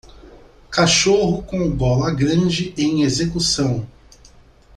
Cachorro com gola grande em execução.